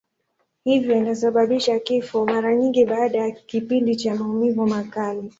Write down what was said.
Hivyo inasababisha kifo, mara nyingi baada ya kipindi cha maumivu makali.